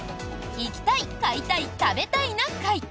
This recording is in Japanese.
「行きたい買いたい食べたいな会」。